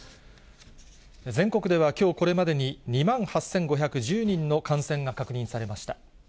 全国ではきょうこれまでに２万８５１０人の感染が確認されました。